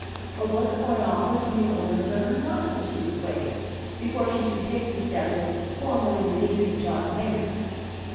Or was it for an offer from the owner of the Hermana that she was waiting, before she should take the step of formally releasing John Mayrant?